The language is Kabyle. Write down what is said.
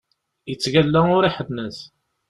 Yettgalla ur iḥennet!